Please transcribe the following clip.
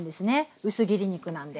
薄切り肉なんで。